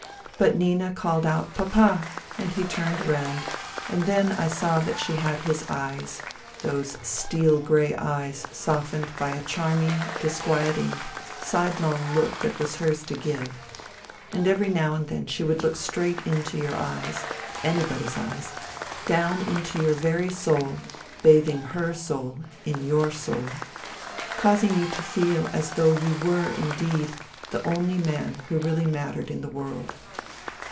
But Nina called out " Papa !" and he turned round, and then I saw that she had his eyes, those steel grey eyes softened by a charming, disquieting, side long look that was hers to give ; and every now and then she would look straight into your eyes — any body's eyes — down into your very soul, bathing her soul in your soul, causing you to feel as though you were indeed " the only man who really mattered in the world."